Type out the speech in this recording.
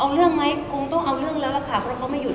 เอาเรื่องไหมคงต้องเอาเรื่องแล้วล่ะค่ะเพราะเขาไม่หยุ